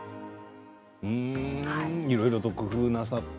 いろいろと工夫なさって。